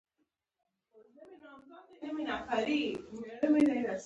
بادامي سترګې یې وې.